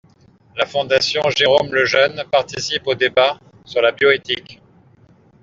La Fondation Jérôme-Lejeune participe au débat sur la bioéthique.